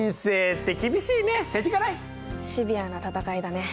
シビアな戦いだね。